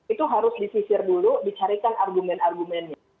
itu harus disisir dulu dicarikan argumen argumennya